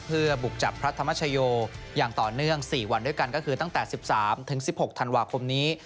เพื่อบุกจับพระธรรมชโยคอย่างต่อเนื่องสี่วันด้วยกันก็คือตั้งแต่สิบสามถึงสิบหกธันวาคมนี้